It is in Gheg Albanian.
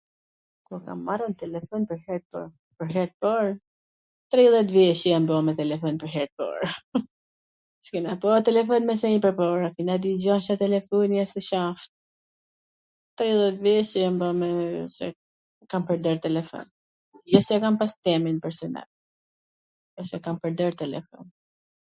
Kur kam marr un telefon pwr her t par? Tridhjet vjeC jam ba me telefon pwr her t par. S' kena pa telefon me sy ma pwrpara, digjosha telefonin ... tridhjet vjece kam pwrdor telefon, jo se kam pas temin personal, po se kam pwrdor telefon.